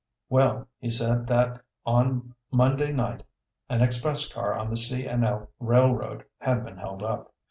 Well, he said that on Monday night an express car on the C. & L. Railroad had been held up.